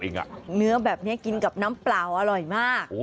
เนื้อแบบนี้กินกับน้ำเปล่าอร่อยมาก